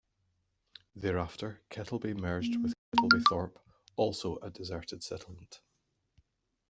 Thereafter Kettleby merged with Kettleby Thorpe, also a deserted settlement.